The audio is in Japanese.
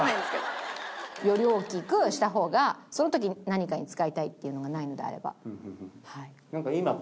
より大きくした方がその時に何かに使いたいっていうのがないのであれば。